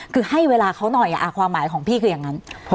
คือให้เวลาเขาหน่อยความหมายของพี่คืออย่างนั้น